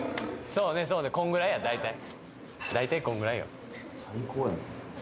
そうねこんぐらいや大体大体こんぐらいよ